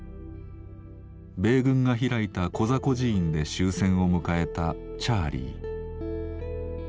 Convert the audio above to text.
米軍が開いたコザ孤児院で終戦を迎えたチャーリー。